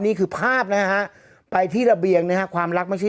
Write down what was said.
นี่คือภาพนะฮะไปที่ระเบียงนะฮะความรักไม่ใช่